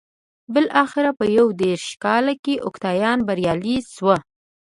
بلاخره په یو دېرش کال کې اوکتاویان بریالی شو